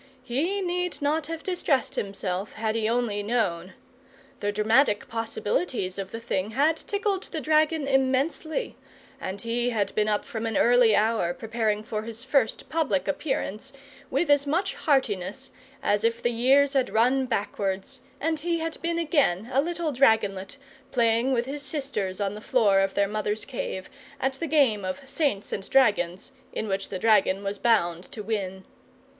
He need not have distressed himself, had he only known. The dramatic possibilities of the thing had tickled the dragon immensely, and he had been up from an early hour, preparing for his first public appearance with as much heartiness as if the years had run backwards, and he had been again a little dragonlet, playing with his sisters on the floor of their mother's cave, at the game of saints and dragons, in which the dragon was bound to win.